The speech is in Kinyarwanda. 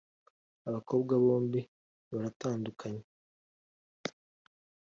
abakobwa bombi baratandukanye.